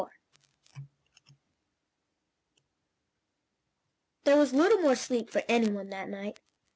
There was little more sleep for any one that night.